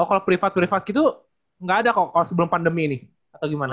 kalau privat privat gitu nggak ada kok sebelum pandemi ini atau gimana